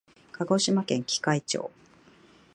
鹿児島県喜界町